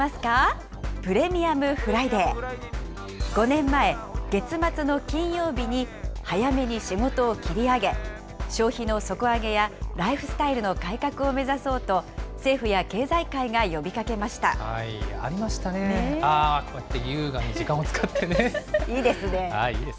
５年前、月末の金曜日に早めに仕事を切り上げ、消費の底上げやライフスタイルの改革を目指そうと、政府や経済界ありましたね、ああ、こうやいいですね。